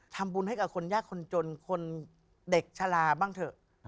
ทำบุญให้กับคนยากคนจนคนเด็กชะลาบ้างเถอะ